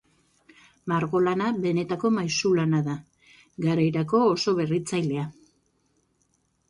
Margolana benetako maisulana da, garairako oso berritzailea.